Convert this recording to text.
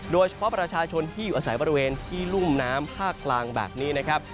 โดยเฉพาะประชาชนที่อยู่อาศัยบริเวณที่รุ่มน้ำภาคกลางแบบนี้นะครับ